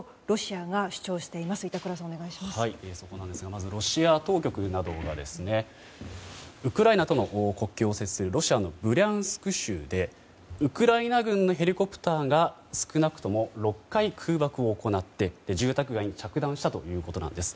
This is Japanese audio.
まずロシア当局などがウクライナとの国境を接するロシアのブリャンスク州でウクライナ軍のヘリコプターが少なくとも６回、空爆を行って住宅街に着弾したということです。